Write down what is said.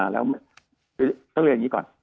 แต่ต้องเรียงนี้ก่อน